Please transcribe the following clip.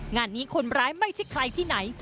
งานนี้คนร้ายไม่ใช่ใครที่ไหน